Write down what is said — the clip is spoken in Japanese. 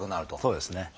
そうですね。